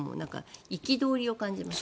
憤りを感じます。